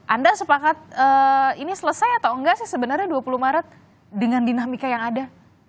anda sepakat ini selesai atau enggak sih sebenarnya dua puluh maret dengan dinamika yang ada